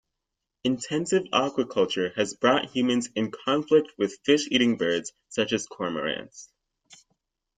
Intensive aquaculture has brought humans in conflict with fish-eating birds such as cormorants.